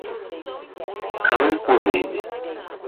Campo Verde